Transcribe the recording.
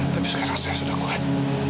tapi sekarang saya sudah kuat